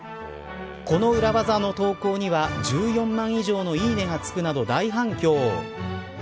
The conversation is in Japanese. この裏技の投稿には１４万以上のいいねがつくなど大反響。